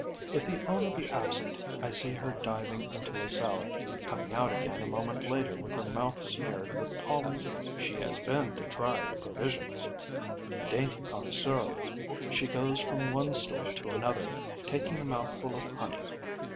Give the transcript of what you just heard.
If the owner be absent, I see her diving into a cell, coming out again a moment later with her mouth smeared with pollen. She has been to try the provisions. A dainty connoisseur, she goes from one store to another, taking a mouthful of honey.